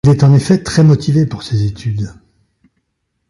Il est en effet très motivé pour ces études.